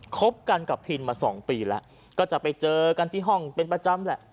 คบกันกับพินมา๒ปีแล้วก็จะไปเจอกันที่ห้องเป็นประจำแหละ